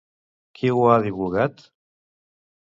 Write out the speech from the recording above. Qui ho ha divulgat?